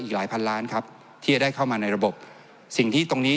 อีกหลายพันล้านครับที่จะได้เข้ามาในระบบสิ่งที่ตรงนี้